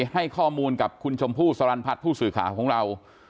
ให้ข้อมูลกับคุณชมพู่สรรพัฒน์ผู้สื่อข่าวของเรา